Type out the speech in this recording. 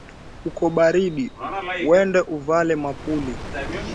Kuko baridi wende uvale mupila